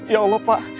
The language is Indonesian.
ya allah pak